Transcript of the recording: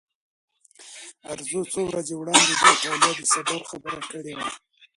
ارزو څو ورځې وړاندې د ایټالیا د سفر خبره کړې وه.